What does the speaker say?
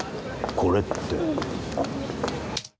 これって。